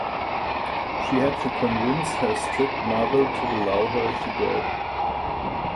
She had to convince her strict mother to allow her to go.